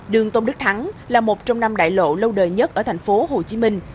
đường tôn đức thắng là một trong năm đại lộ lâu đời nhất ở thành phố hồ chí minh